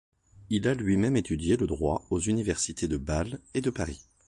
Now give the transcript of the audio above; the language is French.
Il a lui-même étudié le droit aux universités de Bâle et de Paris.